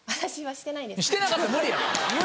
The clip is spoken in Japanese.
してなかったら無理やん。